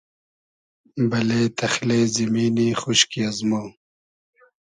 بئلې تئخلې زیمینی خوشکی ازمۉ